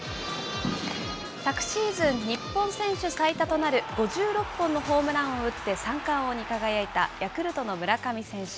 昨シーズン、日本選手最多となる５６本のホームランを打って、三冠王に輝いたヤクルトの村上選手。